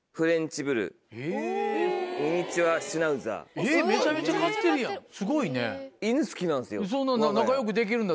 えっめちゃめちゃ飼ってるやんすごいね。